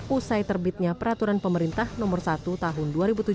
usai terbitnya peraturan pemerintah nomor satu tahun dua ribu tujuh belas